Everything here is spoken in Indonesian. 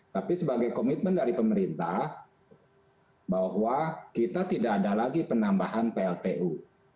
tapi sebagai komitmen dari pemerintah bahwa kita tidak ada lagi penambahan pltu